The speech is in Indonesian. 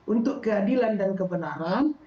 untuk keadilan dan kebenaran